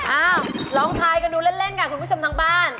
อ้าวลองทายกันดูเล่นค่ะคุณผู้ชมทางบ้าน